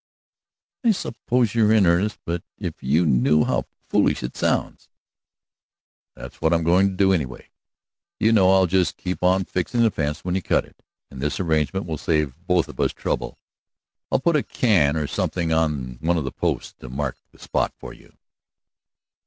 "I suppose you're in earnest, but if you knew how foolish it sounds!" "That's what I'm going to do, anyway. You know I'll just keep on fixing the fence when you cut it, and this arrangement will save both of us trouble. I'll put a can or something on one of the posts to mark the spot for you."